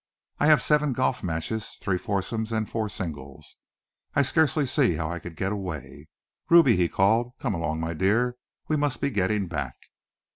"I have seven golf matches, three foursomes and four singles. I scarcely see how I could get away. Ruby," he called, "come along, my dear. We must be getting back."